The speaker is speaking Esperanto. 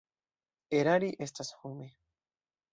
Erari estas home.